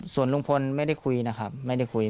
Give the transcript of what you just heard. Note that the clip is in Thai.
ส่วนลุงพลไม่ได้คุยนะครับไม่ได้คุย